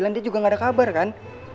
dia juga gak ada kabar kan